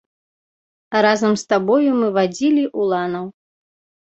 Разам з табою мы вадзілі уланаў?